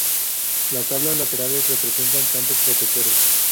Las tablas laterales representan santos protectores.